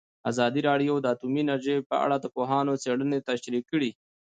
ازادي راډیو د اټومي انرژي په اړه د پوهانو څېړنې تشریح کړې.